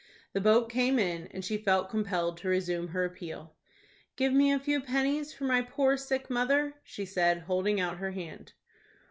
The boat came in, and she felt compelled to resume her appeal. "Give me a few pennies for my poor sick mother," she said, holding out her hand.